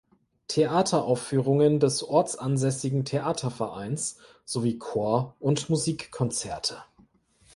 Theateraufführungen des ortsansässigen Theatervereins sowie Chor- und Musikkonzerte.